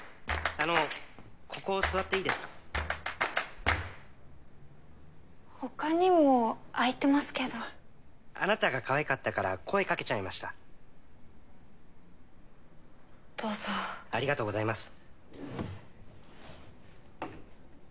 あのここ座っていいですほかにも空いてますけどあなたがかわいかったかどうぞありがとうございます